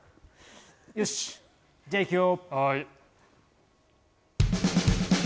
よし、じゃあ行くよ。